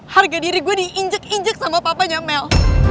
harga diri gue diinjek injek sama papanya mel